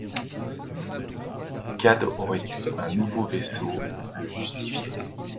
Cad aurait eu un nouveau vaisseau, le Justifier.